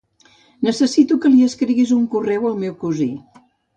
Necessito que li escriguis un correu al meu cosí.